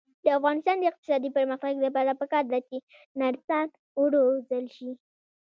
د افغانستان د اقتصادي پرمختګ لپاره پکار ده چې نرسان وروزل شي.